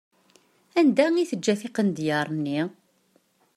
Anda i teǧǧa tiqnedyaṛ-nni?